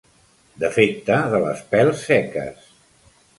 Defecte de les pels seques.